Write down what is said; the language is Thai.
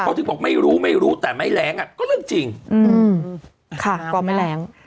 เขาถึงบอกไม่รู้ไม่รู้แต่ไม่แรงอ่ะก็เรื่องจริงค่ะก็ไม่แรง